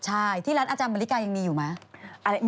ใช่ที่ร้านอาจารย์มริกายังมีอยู่ไหม